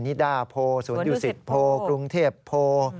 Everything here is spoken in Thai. นิดาโพสวนดุสิตโพกรุงเทพโพ